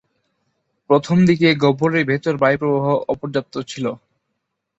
প্রথমদিকে গহ্বরের ভেতর বায়ু প্রবাহ অপর্যাপ্ত ছিল।